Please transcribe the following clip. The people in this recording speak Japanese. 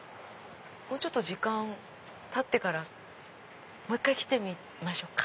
もうちょっと時間たってからもう１回来てみましょうか。